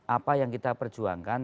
apa yang kita perjuangkan